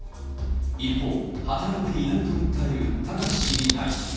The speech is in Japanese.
一方、働いていないと訴える貴志氏に対し。